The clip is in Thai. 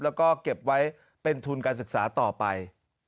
แล้วก็เก็บไว้เป็นทุนการศึกษาต่อไป